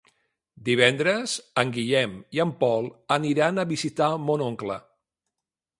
Divendres en Guillem i en Pol aniran a visitar mon oncle.